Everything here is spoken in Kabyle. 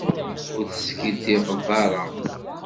Ur teskiddibeḍ ara.